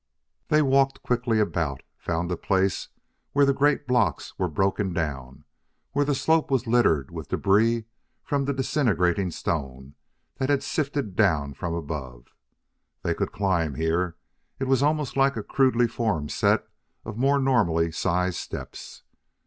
They walked quickly about; found a place where the great blocks were broken down, where the slope was littered with debris from the disintegrating stone that had sifted down from above. They could climb here; it was almost like a crudely formed set of more normally sized steps.